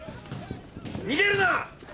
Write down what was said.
逃げるな！